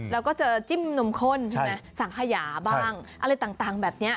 แล้วก็เจอจิ้มนมข้นใช่ไหมสังขยาบ้างอะไรต่างแบบนี้